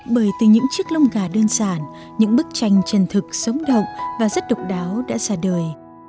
bởi từ những chiếc lông gà đơn giản những bức tranh chân thực sống động và rất độc đáo đã ra đời